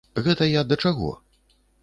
Гэта я да чаго?